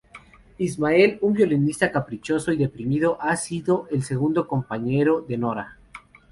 Ismael, un violista caprichoso y deprimido, ha sido el segundo compañero de Nora.